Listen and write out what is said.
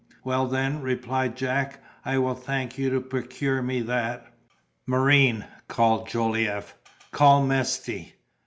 "Well, then," replied Jack, "I will thank you to procure me that." "Marine," cried Jolliffe, "call Mesty."